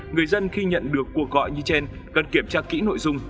người dân khi nhận được cuộc gọi như trên cần kiểm tra kỹ nội dung